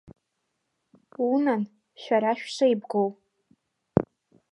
Унан, шәара шәшеибгоу!